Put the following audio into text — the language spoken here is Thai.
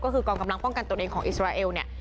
ก็คือกองกำลังป้องกันตัวเองของอิสราเอลเนี่ย